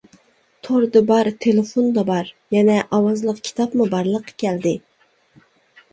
توردا بار، تېلېفوندا بار، يەنە ئاۋازلىق كىتابمۇ بارلىققا كەلدى.